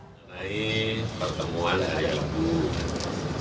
mencari pertemuan dari aku